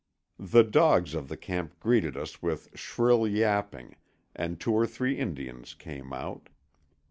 The dogs of the camp greeted us with shrill yapping, and two or three Indians came out.